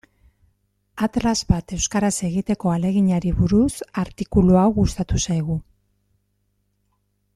Atlas bat euskaraz egiteko ahaleginari buruz artikulu hau gustatu zaigu.